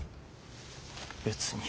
別に。